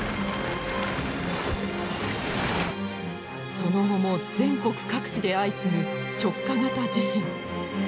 その後も全国各地で相次ぐ直下型地震。